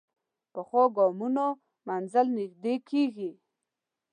پخو ګامونو منزل نږدې کېږي